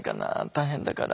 大変だから。